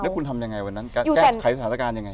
คุณทำยังไงวันนั้นแก้ไขสถานการณ์ยังไง